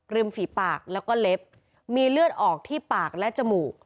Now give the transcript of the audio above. ฝีปากแล้วก็เล็บมีเลือดออกที่ปากและจมูก